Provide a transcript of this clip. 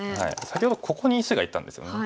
先ほどここに石がいたんですよね。